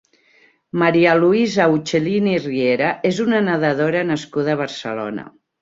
Maria Luisa Ucellini Riera és una nedadora nascuda a Barcelona.